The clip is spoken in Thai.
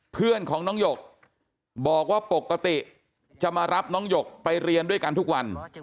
เพื่อนของน้องหยกบอกว่าปกติจะมารับน้องหยกไปเรียนด้วยกันทุกวัน